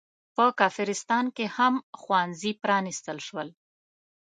په کافرستان کې هم ښوونځي پرانستل شول.